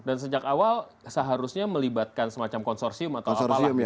dan sejak awal seharusnya melibatkan semacam konsorsium atau apalagi gitu ya